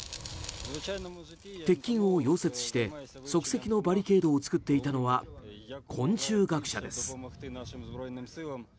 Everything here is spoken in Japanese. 鉄筋を溶接して、即席のバリケードを作っていたのは昆虫学者です。